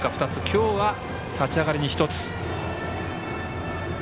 今日は立ち上がりに１つ。